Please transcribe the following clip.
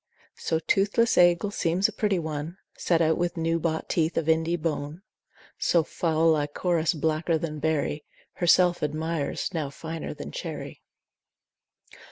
So toothless Aegle seems a pretty one, Set out with new bought teeth of Indy bone: So foul Lychoris blacker than berry Herself admires, now finer than cherry.